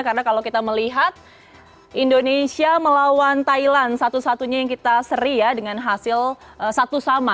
karena kalau kita melihat indonesia melawan thailand satu satunya yang kita seri ya dengan hasil satu sama